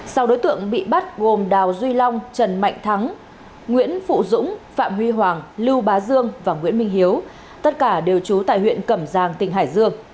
sau đối tượng bị bắt gồm đào duy long trần mạnh thắng nguyễn phụ dũng phạm huy hoàng lưu bá dương và nguyễn minh hiếu tất cả đều trú tại huyện cẩm giang tỉnh hải dương